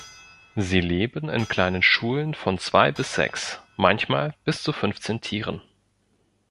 Sie leben in kleinen Schulen von zwei bis sechs, manchmal bis zu fünfzehn Tieren.